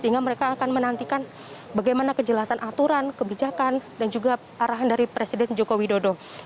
sehingga mereka akan menantikan bagaimana kejelasan aturan kebijakan dan juga arahan dari pemerintah yang akan dilaksanakan tanggal satu juni dua ribu dua puluh satu